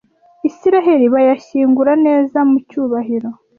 isiraheli bayashyingura neza mu cyubahiro